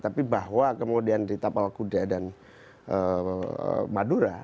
tapi bahwa kemudian di tapal kuda dan madura